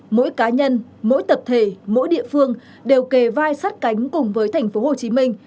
mỗi cá nhân mỗi tập thể mỗi địa phương đều kề vai sát cánh cùng với thành phố hồ chí minh